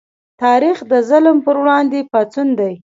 تاریخ د ظلم پر وړاندې پاڅون دی.